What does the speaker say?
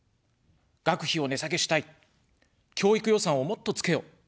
「学費を値下げしたい」、「教育予算をもっとつけよ」。